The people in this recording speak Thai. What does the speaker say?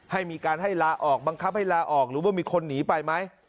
ให้มีการให้ลาออกบังคับให้ลาออกหรือว่ามีคนหนีไปไหม